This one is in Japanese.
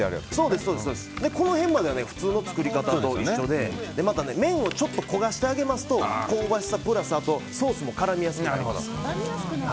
この辺までは普通の作り方と一緒で麺をちょっと焦がしてあげますと香ばしさプラスソースも絡みやすくなります。